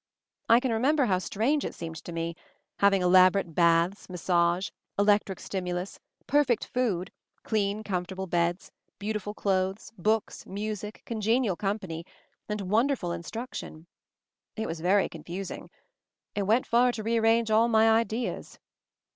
I can re member how strange it seemed to me, having elaborate baths, massage, electric stimulus, perfect food, clean comfortable beds, beauti ful clothes, books, music, congenial company, and wonderful instruction. It was very con fusing. It went far to rearrange all my ideas."